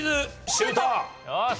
シュート！